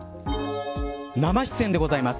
生出演でございます。